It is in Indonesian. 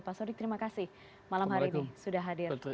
pak sodik terima kasih malam hari ini sudah hadir